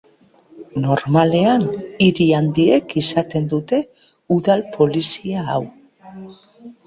Normalean, hiri handiek izaten dute udal polizia hau.